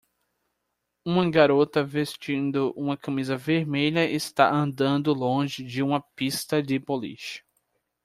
Uma garota vestindo uma camisa vermelha está andando longe de uma pista de boliche.